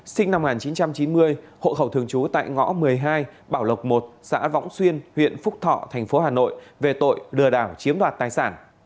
sinh năm một nghìn chín trăm chín mươi hộ khẩu thường trú tại ngõ một mươi hai bảo lộc một xã võng xuyên huyện phúc thọ thành phố hà nội về tội lừa đảo chiếm đoạt tài sản